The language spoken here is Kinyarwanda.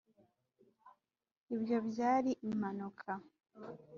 ibyo byari impanuka